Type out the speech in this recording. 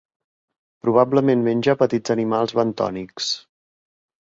Probablement menja petits animals bentònics.